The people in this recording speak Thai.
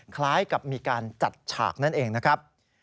คล้ายกับมีการจัดฉากนั่นเองนะครับ